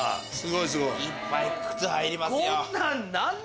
いっぱい靴入りますよ。